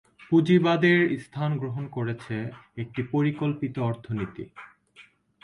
পুঁজিবাদের স্থান গ্রহণ করেছে একটি পরিকল্পিত অর্থনীতি।